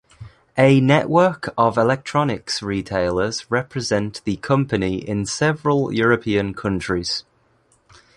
A network of electronics retailers represent the company in several European countries.